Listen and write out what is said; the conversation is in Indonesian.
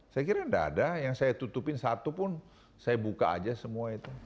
saya kira tidak ada yang saya tutupin satu pun saya buka aja semua itu